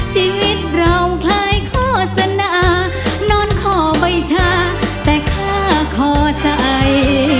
ชีวิตเราคล้ายโฆษณานอนคอไปช้าแต่ข้าขอใจ